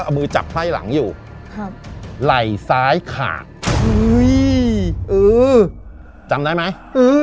เอามือจับไพ่หลังอยู่ครับไหล่ซ้ายขาดอุ้ยเออจำได้ไหม